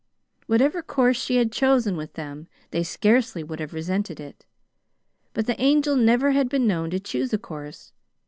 Whatever course she had chosen with them they scarcely would have resented it, but the Angel never had been known to choose a course.